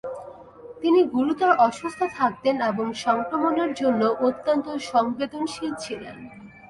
তিনি গুরুতর অসুস্থ থাকতেন এবং সংক্রমণের জন্য অত্যন্ত সংবেদনশীল ছিলেন।